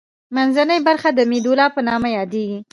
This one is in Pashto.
منځنۍ برخه د میدولا په نامه یادیږي.